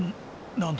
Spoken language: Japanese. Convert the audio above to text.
何だ？